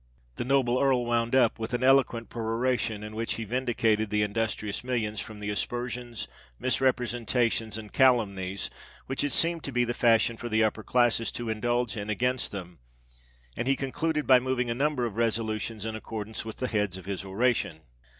The noble Earl wound up with an eloquent peroration in which he vindicated the industrious millions from the aspersions, misrepresentations, and calumnies which it seemed to be the fashion for the upper classes to indulge in against them; and he concluded by moving a number of resolutions in accordance with the heads of his oration.